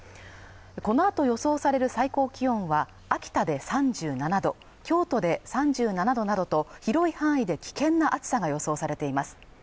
このあと予想される最高気温は秋田で３７度京都で３７度などと広い範囲で危険な暑さが予想されています